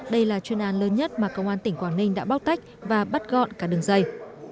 đây là chuyên an lớn nhất mà công an tỉnh quảng ninh đã bóc tách và bắt gọn cả đường dây